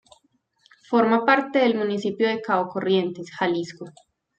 Forma parte del municipio de Cabo Corrientes, Jalisco.